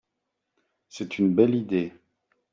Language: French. C'est une belle idée.